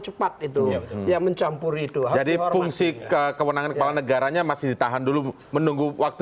betul yang mencampuri dua jadi fungsi kekewenangan kepala negaranya masih ditahan dulu menunggu waktu